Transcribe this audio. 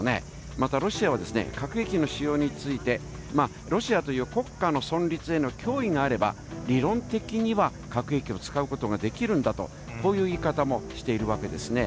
またロシアは、核兵器の使用について、ロシアという国家の存立への脅威があれば、理論的には核兵器を使うことができるんだと、こういう言い方もしているわけですね。